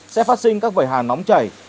sẽ phát sinh các vẩy hàn nóng chảy